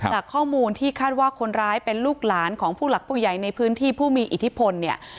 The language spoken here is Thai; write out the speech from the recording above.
จากข้อมูลที่คาดว่าคนร้ายเป็นลูกหลานของผู้หลักผู้ใหญ่ในพื้นที่ผู้มีอิทธิพลเนี่ย